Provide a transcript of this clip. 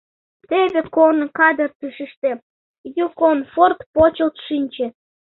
Теве корно кадыртышыште Юкон форт почылт шинче.